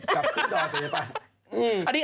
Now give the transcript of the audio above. กลับเข้าดอดเดินไป